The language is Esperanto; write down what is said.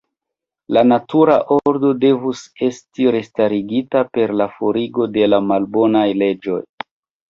La natura ordo devus esti restarigita per la forigo de la malbonaj leĝoj.